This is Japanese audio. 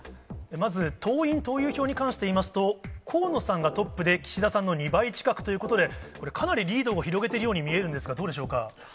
まず党員・党友票に関していいますと、河野さんがトップで岸田さんの２倍近くということで、これ、かなりリードを広げているように見えるんですが、どうでしょうか。